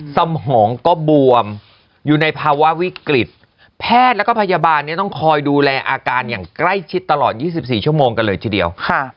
สมองก็บวมอยู่ในภาวะวิกฤตแพทย์แล้วก็พยาบาลเนี่ยต้องคอยดูแลอาการอย่างใกล้ชิดตลอด๒๔ชั่วโมงกันเลยทีเดียว